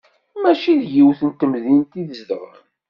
Mačči deg yiwet n temdint i zedɣen.